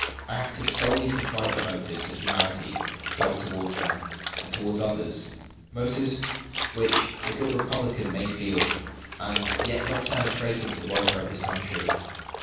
I acted solely from private motives of humanity toward them and toward others motives which a good republican may feel, and yet not turn traitor to the welfare of his country."